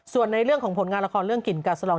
ส่วนในเรื่องของผลงานละครเรื่องกลิ่นกาสลอง